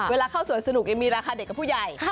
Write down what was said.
เวลาเข้าสวนสนุกยังมีราคาเด็กกับผู้ใหญ่